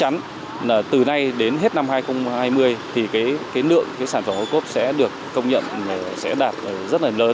là từ nay đến hết năm hai nghìn hai mươi thì cái lượng sản phẩm ocob sẽ được công nhận sẽ đạt rất là lớn